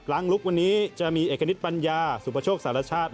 ลุควันนี้จะมีเอกณิตปัญญาสุปโชคสารชาติ